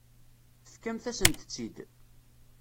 Tefkamt-asent-tt-id.